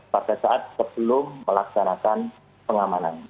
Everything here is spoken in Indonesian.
pada saat sebelum melaksanakan pengamanan